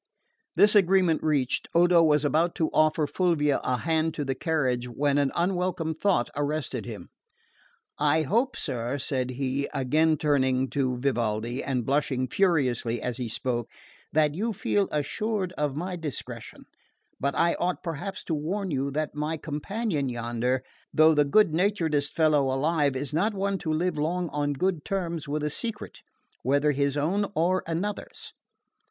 This agreement reached, Odo was about to offer Fulvia a hand to the carriage when an unwelcome thought arrested him. "I hope, sir," said he, again turning to Vivaldi, and blushing furiously as he spoke, "that you feel assured of my discretion; but I ought perhaps to warn you that my companion yonder, though the good naturedest fellow alive, is not one to live long on good terms with a secret, whether his own or another's."